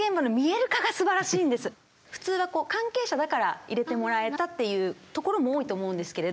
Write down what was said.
普通は関係者だから入れてもらえたという所も多いと思うんですけれど。